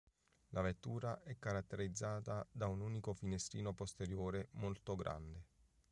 La vettura è caratterizzata da un unico finestrino posteriore molto grande.